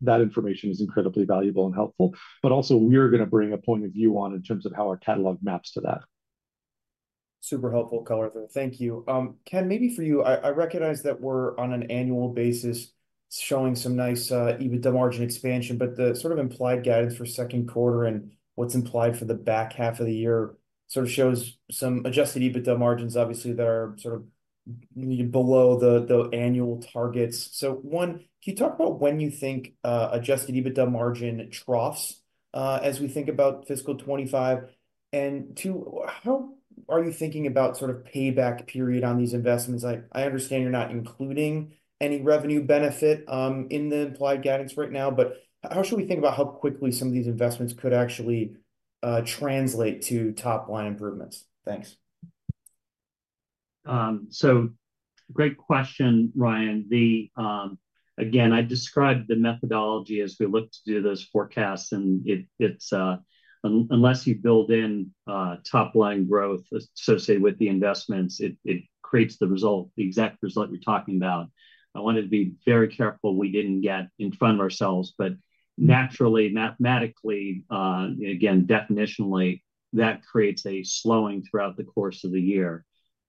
That information is incredibly valuable and helpful. We're going to bring a point of view in terms of how our catalog maps to that. Super helpful colour. Thank you. Ken, maybe for you, I recognize that we're on an annual basis showing some nice EBITDA margin expansion, but the sort of implied guidance for second quarter and what's implied for the back half of the year sort of shows some adjusted EBITDA margins, obviously, that are below the annual targets. One, can you talk about when you think adjusted EBITDA margin troughs as we think about fiscal 2025? Two, how are you thinking about payback period on these investments? I understand you're not including any revenue benefit in the implied guidance right now, but how should we think about how quickly some of these investments could actually translate to top line improvements? Thanks. Great question, Ryan. Again, I described the methodology as we looked to do those forecasts, and unless you build in top line growth associated with the investments, it creates the exact result you're talking about. I wanted to be very careful we didn't get in front of ourselves, but naturally, mathematically, again, definitionally, that creates a slowing throughout the course of the year.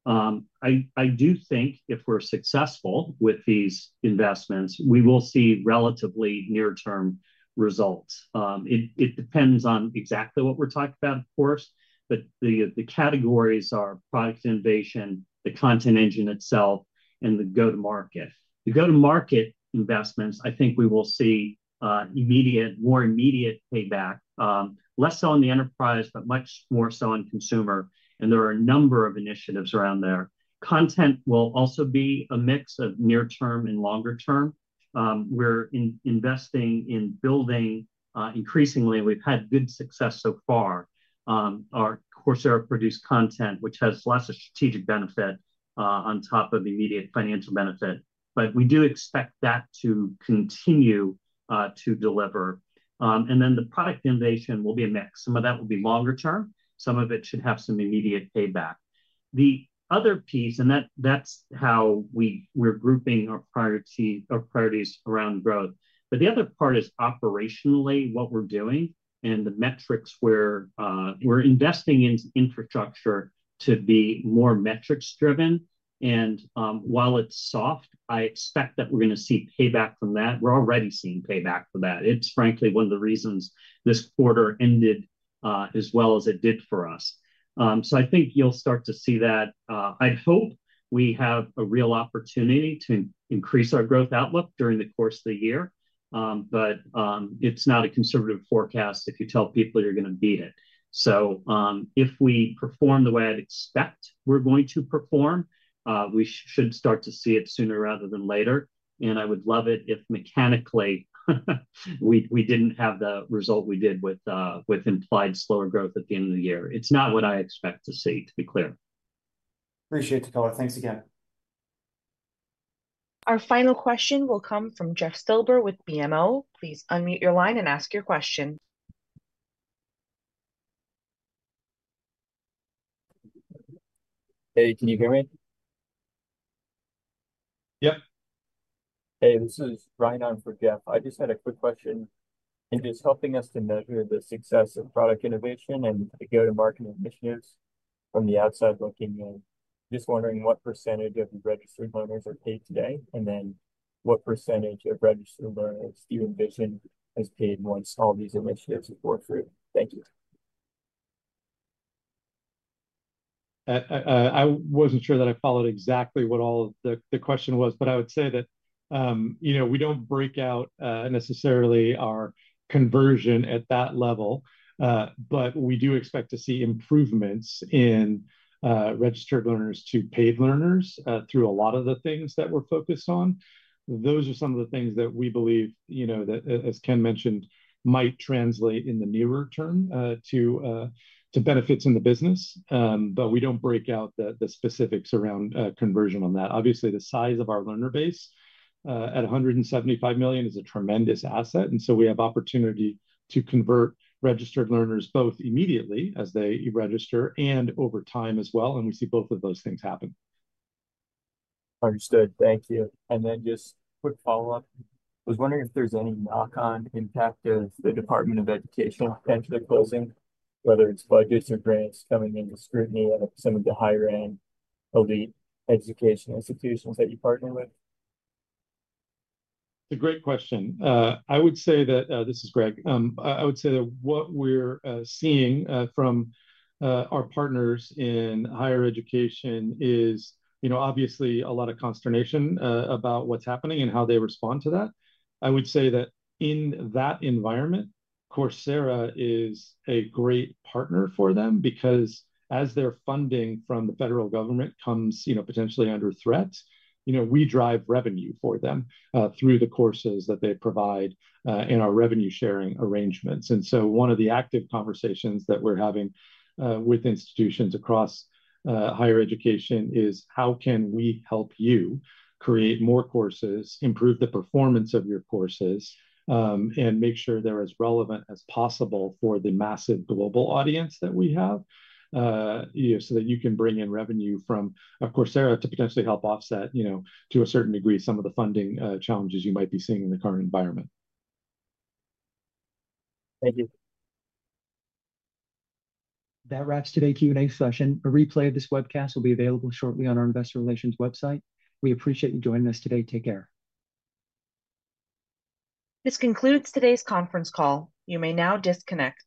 I do think if we're successful with these investments, we will see relatively near-term results. It depends on exactly what we're talking about, of course, but the categories are product innovation, the content engine itself, and the go-to-market. The go-to-market investments, I think we will see more immediate payback, less so on the Enterprise, but much more so on consumer. There are a number of initiatives around there. Content will also be a mix of near-term and longer-term. We're investing in building increasingly. We've had good success so far. Our Coursera-produced content, which has lots of strategic benefit on top of immediate financial benefit, but we do expect that to continue to deliver. The product innovation will be a mix. Some of that will be longer-term. Some of it should have some immediate payback. The other piece, and that is how we are grouping our priorities around growth. The other part is operationally what we are doing and the metrics where we are investing in infrastructure to be more metrics-driven. While it is soft, I expect that we are going to see payback from that. We are already seeing payback for that. It is frankly one of the reasons this quarter ended as well as it did for us. I think you will start to see that. I hope we have a real opportunity to increase our growth outlook during the course of the year, but it's not a conservative forecast if you tell people you're going to beat it. If we perform the way I'd expect we're going to perform, we should start to see it sooner rather than later. I would love it if mechanically we didn't have the result we did with implied slower growth at the end of the year. It's not what I expect to see, to be clear. Appreciate it, Coursera. Thanks again. Our final question will come from Jeff Silber with BMO. Please unmute your line and ask your question. Hey, can you hear me? Yep. Hey, this is Ryan for Jeff. I just had a quick question. Just helping us to measure the success of product innovation and the go-to-market initiatives from the outside looking in, just wondering what percentage of your registered learners are paid today, and then what percentage of registered learners do you envision as paid once all these initiatives are flow through? Thank you. I wasn't sure that I followed exactly what all the question was, but I would say that we don't break out necessarily our conversion at that level, but we do expect to see improvements in registered learners to paid learners through a lot of the things that we're focused on. Those are some of the things that we believe that, as Ken mentioned, might translate in the nearer term to benefits in the business, but we don't break out the specifics around conversion on that. Obviously, the size of our learner base at 175 million is a tremendous asset. We have opportunity to convert registered learners both immediately as they register and over time as well. We see both of those things happen. Understood. Thank you. Just quick follow-up. I was wondering if there's any knock-on impact of the Department of Education enterprise, whether it's budgets or grants coming into scrutiny at some of the higher-end elite education institutions that you partner with. It's a great question. I would say that this is Greg. I would say that what we're seeing from our partners in higher education is, obviously, a lot of consternation about what's happening and how they respond to that. I would say that in that environment, Coursera is a great partner for them because as their funding from the federal Government comes potentially under threat, we drive revenue for them through the courses that they provide in our revenue-sharing arrangements. One of the active conversations that we're having with institutions across higher education is, how can we help you create more courses, improve the performance of your courses, and make sure they're as relevant as possible for the massive global audience that we have so that you can bring in revenue from Coursera to potentially help offset to a certain degree some of the funding challenges you might be seeing in the current environment. Thank you. That wraps today's Q&A session. A replay of this webcast will be available shortly on our investor relations website. We appreciate you joining us today. Take care. This concludes today's conference call. You may now disconnect.